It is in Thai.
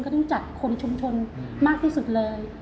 ต้องจัดคนชุมชนมากที่สุดเลย